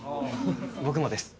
僕もです。